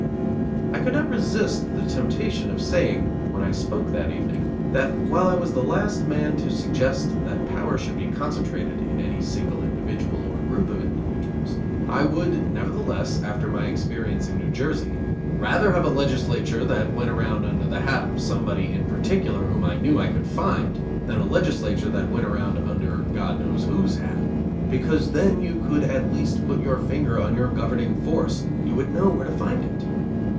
I could not resist the temptation of saying, when I spoke that evening, that, while I was the last man to suggest that power should be concentrated in any single individual or group of individuals, I would, nevertheless, after my experience in New Jersey, rather have a legislature that went around under the hat of somebody in particular whom I knew I could find than a legislature that went around under God knows who's hat; because then you could at least put your finger on your governing force; you would know where to find it.